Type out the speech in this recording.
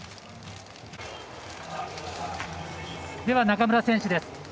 では、中村選手です。